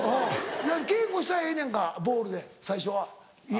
稽古したらええねやんかボールで最初は家。